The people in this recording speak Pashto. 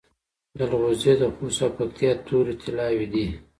جلغوزي د خوست او پکتیا تور طلایی دي